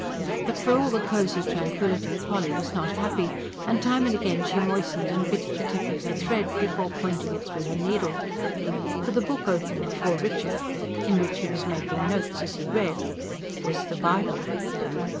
But, for all the cosy tranquillity, Polly was not happy; and time and again she moistened and bit at the tip of her thread, before pointing it through her needle. For the book open before Richard, in which he was making notes as he read, was the Bible.